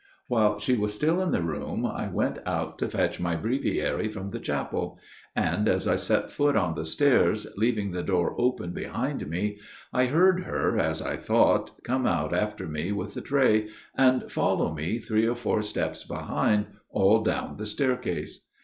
" While she was still in the room I went out to fetch my breviary from the chapel ; and as I set foot on the stairs, leaving the door open behind me, I heard her, as I thought, come out after me with the tray, and follow me, three or four steps behind, all down the staircase.